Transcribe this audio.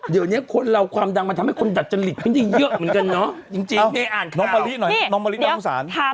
เดี๋ยวเนี้ยคนเราความดังมันให้คนดัดจลิตเยอะ